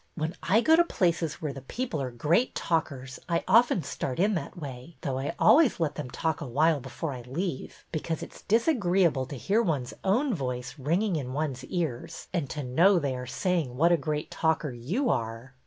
When I go to places where the people are great talkers I often start in that way, though I always let them talk a while before I leave, because it 's disagreeable to hear one's own voice ringing in one's ears, and to know they are saying what a great talker you are."